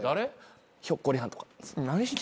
ひょっこりはんとか。